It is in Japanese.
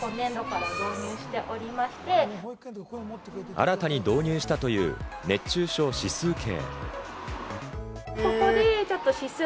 新たに導入したという熱中症指数計。